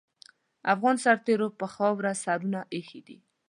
افغان سرتېرو پر خاوره سرونه اېښي دي.